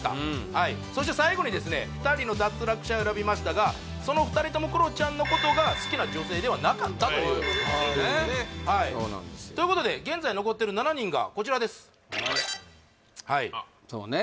はいそして最後にですね２人の脱落者を選びましたがその２人ともクロちゃんのことが好きな女性ではなかったというそういうことですねということで現在残ってる７人がこちらですそうね